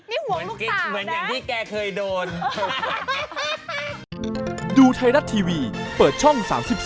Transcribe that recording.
ไอ้หวานไม่ห่วงลูกสาวนะมันเกร็ดเหมือนอย่างที่แกเคยโดน